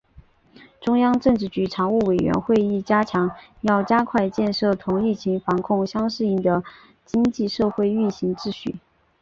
中央政治局常委会会议强调要加快建立同疫情防控相适应的经济社会运行秩序